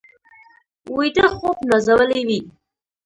ویده خوب نازولي وي